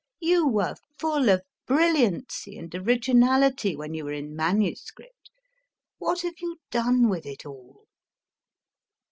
You were full of brilliancy and originality JEROME K. JEROME 227 when you were in manuscript. What have you done with it all?